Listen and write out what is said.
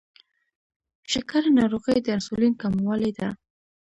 شکره ناروغي د انسولین کموالي ده.